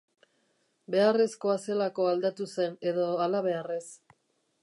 Beharrezkoa zelako aldatu zen edo halabeharrez.